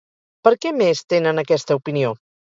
Per què més tenen aquesta opinió?